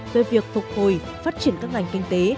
về việc phục hồi phát triển các ngành kinh tế